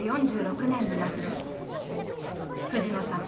藤野さん